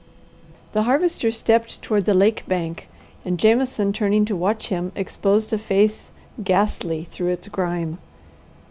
The Harvester stepped toward the lake bank and Jameson, turning to watch him, exposed a face ghastly through its grime.